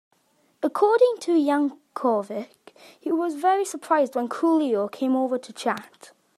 According to Yankovic, he was very surprised when Coolio came over to chat.